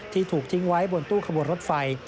ถูกทิ้งไว้บนตู้ขบวนรถไฟ